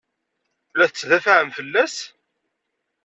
La tettdafaɛem fell-as?